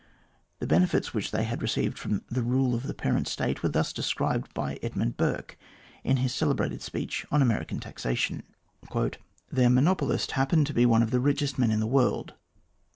The benefits which they had received from the rule of the parent State were thus described by Edmund Burke in his celebrated speech on American taxation : MR GLADSTONE AND THE COLONIES 227 " Their monopolist happened to be one of the richest men in the world.